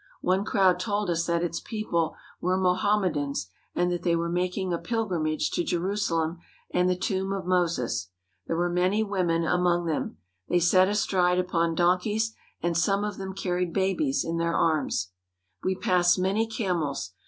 One crowd told us that its people were Mohammedans, and that they were making a pilgrimage to Jerusalem and the tomb of Moses. There were many women among them. They sat astride upon donkeys and some of them carried babies in their arms. We passed many camels.